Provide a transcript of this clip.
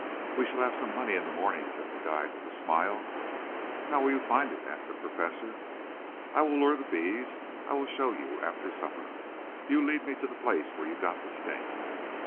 "We shall have some honey in the morning," said the guide with a smile. "How will you find it?" asked the Professor. "I will lure the bees. I will show you after supper. You lead me to the place where you got the sting."